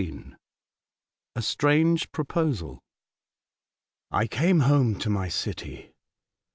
A STRANGE PROPOSAL. I CAME liome to my city.